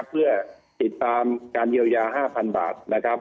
เพื่อติดตามการเยียวยา๕๐๐๐บาทนะครับ